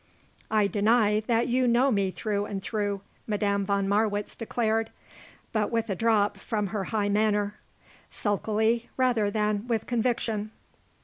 "I deny that you know me through and through," Madame von Marwitz declared, but with a drop from her high manner; sulkily rather than with conviction.